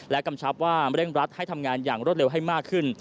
กำชับว่าเร่งรัดให้ทำงานอย่างรวดเร็วให้มากขึ้น